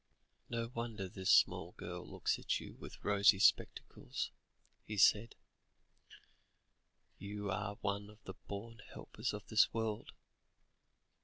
"No wonder this small girl looks at you with rosy spectacles," he said; "you are one of the born helpers of this world.